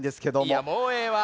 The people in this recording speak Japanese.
いやもうええわ。